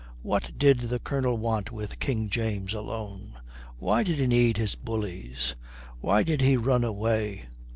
What did the Colonel want with King James alone? Why did he need his bullies? Why did he run away?